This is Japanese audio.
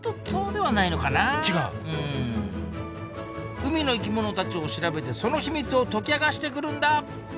海の生き物たちを調べてその秘密を解き明かしてくるんだ！